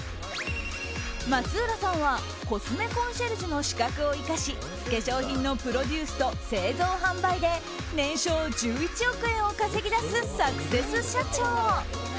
松浦さんはコスメコンシェルジュの資格を生かし化粧品のプロデュースと製造・販売で年商１１億円を稼ぎ出すサクセス社長。